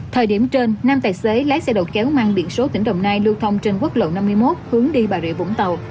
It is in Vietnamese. thời điểm trên năm tài xế lái xe đầu kéo mang biển số tỉnh đồng nai lưu thông trên quốc lộ năm mươi một hướng đi bà rịa vũng tàu